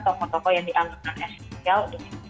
toko toko yang dianggap asidikal